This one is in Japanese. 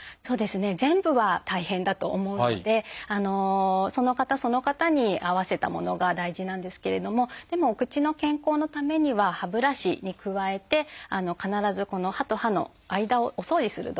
全部は大変だと思うのでその方その方に合わせたものが大事なんですけれどもでもお口の健康のためには歯ブラシに加えて必ず歯と歯の間をお掃除する道具ですね